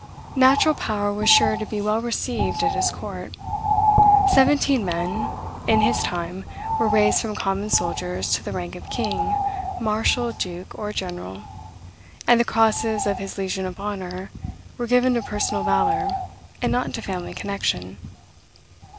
Natural power was sure to be well received at his court. Seventeen men, in his time, were raised from common soldiers to the rank of king, marshal, duke, or general; and the crosses of his Legion of Honor were given to personal valor, and not to family connection.